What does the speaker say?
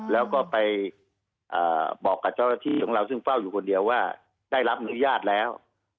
แล้วก็ไปบอกกับเจ้าหน้าที่ของเราซึ่งเฝ้าอยู่คนเดียวว่าได้รับอนุญาตแล้ว